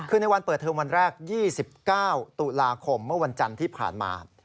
คือในวันเปิดเทอมวันแรก๒๙ตุลาคมเมื่อวันจันทร์ที่ผ่านมา